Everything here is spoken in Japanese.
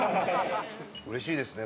うれしいですね。